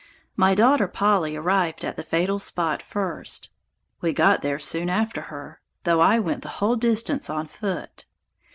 My daughter Polly arrived at the fatal spot first: we got there soon after her; though I went the whole distance on foot.